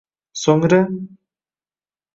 soʼngra